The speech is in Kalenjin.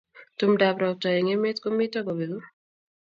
tumdo ab ropta eng emet ko mito kopegu